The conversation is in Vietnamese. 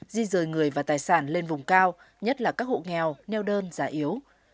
di rời người và tài sản lên vùng cao nhất là các hộ nghèo neo đơn già yếu